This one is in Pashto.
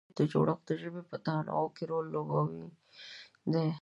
د پښتنو قبیلوي جوړښت د ژبې په تنوع کې رول لوبولی دی.